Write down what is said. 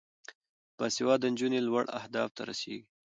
باسواده نجونې لوړو اهدافو ته رسیږي.